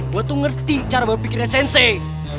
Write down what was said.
gue tuh ngerti cara berpikirnya sensai